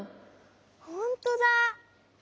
ほんとだ！